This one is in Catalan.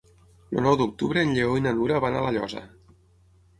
El nou d'octubre en Lleó i na Nura van a La Llosa.